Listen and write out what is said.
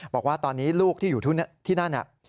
บอกว่าตอนนี้ลูกที่อยู่ที่นั่น